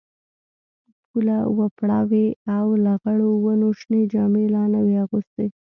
پوله وپړه وې او لغړو ونو شنې جامې لا نه وې اغوستي.